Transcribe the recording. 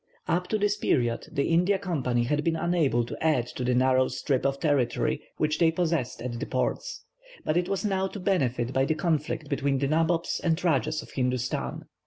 Up to this period the India Company had been unable to add to the narrow strip of territory which they possessed at the ports, but it was now to benefit by the conflict between the nabobs and rajahs of Hindustan.